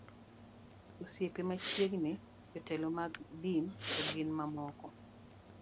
osiepe machiegni, jotelo mag din to gi mamoko